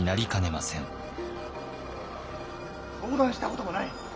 相談したこともない。